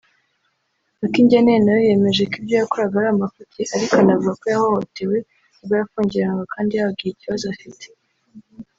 Akingeneye nawe yemeje ko ibyo yakoraga ari amafuti ariko anavuga ko yahohotewe ubwo yafungiranwaga kandi yababwiye ikibazo afite